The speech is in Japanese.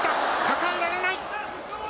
抱えられない。